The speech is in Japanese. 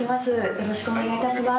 よろしくお願いします。